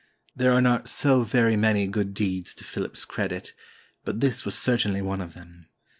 There are not so very many good deeds to Philip's credit; but this was certainly one of them.